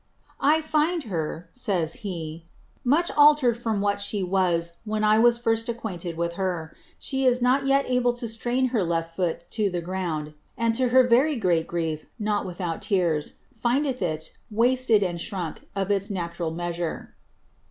^ I find her," says he, ^ much altered from what she was when I was Srst acquainted with her. She is not yet able to strain her left foot to the ground ; and to her very great grief, not without tears, findeth it vasted and shrunk of its natural measure."'